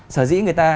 sở dĩ người ta